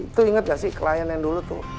itu inget gak sih klien yang dulu tuh